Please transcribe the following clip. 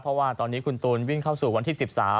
เพราะว่าตอนนี้คุณตูนวิ่งเข้าสู่วันที่๑๓